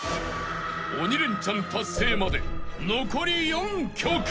［鬼レンチャン達成まで残り４曲］